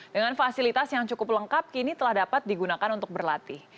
dengan fasilitas yang cukup lengkap kini telah dapat digunakan untuk berlatih